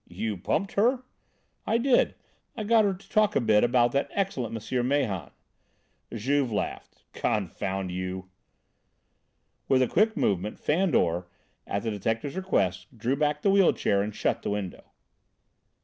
"You pumped her?" "I did. I got her to talk a bit about that excellent M. Mahon." Juve laughed: "Confound you!" With a quick movement Fandor, at the detective's request, drew back the wheel chair and shut the window.